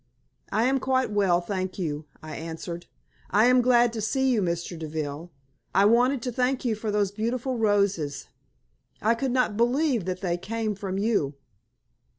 "I am quite well, thank you," I answered. "I am glad to see you, Mr. Deville. I wanted to thank you for those beautiful roses. I could not believe that they came from you."